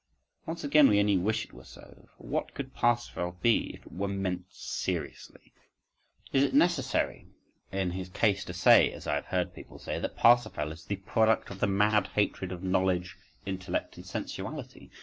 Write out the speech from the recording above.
Once again we only wish it were so; for what could Parsifal be if he were meant seriously? Is it necessary in his case to say (as I have heard people say) that "Parsifal" is "the product of the mad hatred of knowledge, intellect, and sensuality?"